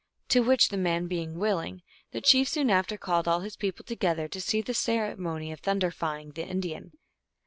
To which the man being willing, the chief soon after called all his people together to see the ceremony of thunderif ying 2 the Indian.